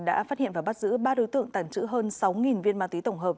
đã phát hiện và bắt giữ ba đối tượng tàn trữ hơn sáu viên ma túy tổng hợp